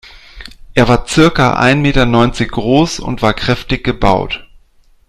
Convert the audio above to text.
Er war circa ein Meter neunzig groß und war kräftig gebaut.